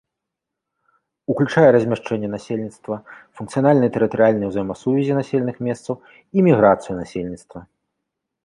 Уключае размяшчэнне насельніцтва, функцыянальныя тэрытарыяльныя ўзаемасувязі населеных месцаў і міграцыю насельніцтва.